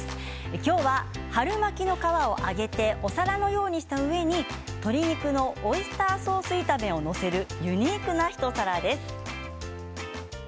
今日は春巻きの皮を揚げてお皿のようにした上に鶏肉のオイスターソース炒めを載せるユニークな一皿です。